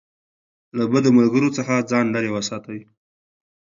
له بدو ملګرو څخه ځان لېرې وساتئ.